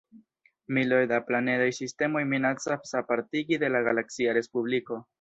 Miloj da planedaj sistemoj minacas apartigi de la galaksia respubliko.